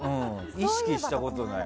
意識したことない。